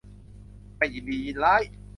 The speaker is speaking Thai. ไม่ยินดียินร้าย